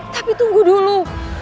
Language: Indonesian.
tapi tunggu dulu